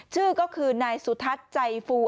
ชื่อก็คือนายสุทัศน์ใจฟู